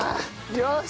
よし！